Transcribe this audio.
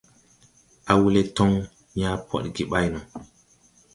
Awelɛ tɔŋ yãã pɔɗge ɓay no.